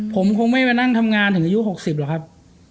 ผมคงไม่มานั่งทำงานถึงอายุ๖๐หรอกครับ